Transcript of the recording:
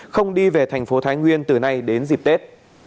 không đi về thành phố thái nguyên từ nay đến dịp tết